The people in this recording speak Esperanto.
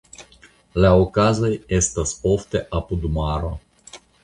La okazoj estas ofte apud maro.